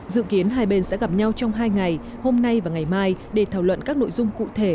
dự kiến hai bên sẽ gặp nhau trong hai ngày hôm nay và ngày mai để thảo luận các nội dung cụ thể